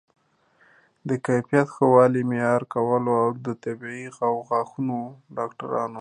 د کیفیت ښه والی معیاري کول او د طبي او غاښونو ډاکټرانو